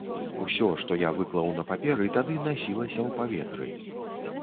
Усё, што я выклаў на паперы, тады насілася ў паветры.